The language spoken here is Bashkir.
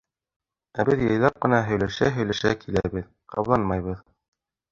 Ә беҙ яйлап ҡына һөйләшә-һөйләшә киләбеҙ, ҡабаланмайбыҙ.